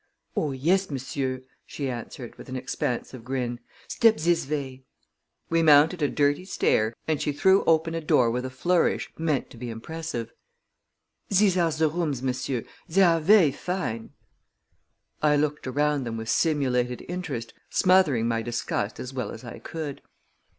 "Oh, yes, monsieur," she answered, with an expansive grin. "Step zis vay." We mounted a dirty stair, and she threw open a door with a flourish meant to be impressive. "Zese are ze rooms, monsieur; zey are ver' fine." I looked around them with simulated interest, smothering my disgust as well as I could.